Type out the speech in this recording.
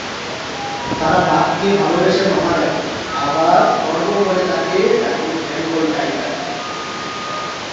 তারা বাঘকে ভালোবেসে মামা ডাকে, আবার গর্ব ভরে তাকে ডাকে বেঙ্গল টাইগার।